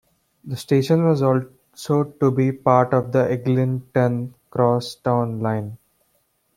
The station was also to be part of the Eglinton Crosstown line.